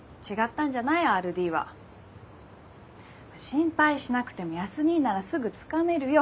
心配しなくても康にぃならすぐつかめるよ